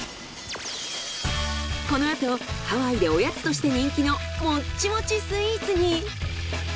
このあとハワイでおやつとして人気のモチモチスイーツに。